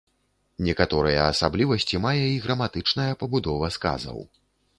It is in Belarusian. Некаторыя асаблівасці мае і граматычная пабудова сказаў.